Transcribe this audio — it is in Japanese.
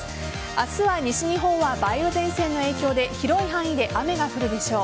明日は西日本は梅雨前線の影響で広い範囲で雨が降るでしょう。